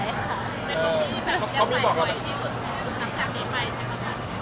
อยากใส่เหนย์ดีที่สุด